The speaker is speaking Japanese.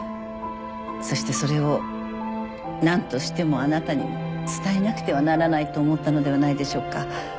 そしてそれを何としてもあなたに伝えなくてはならないと思ったのではないでしょうか。